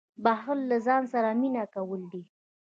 • بښل له ځان سره مینه کول دي.